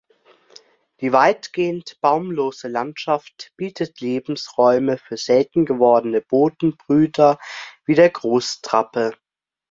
Die weitgehend baumlosen Landschaft bietet Lebensräume für selten gewordene Bodenbrüter wie der Großtrappe.